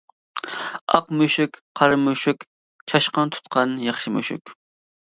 ئاق مۈشۈك، قارا مۈشۈك چاشقان تۇتقان ياخشى مۈشۈك.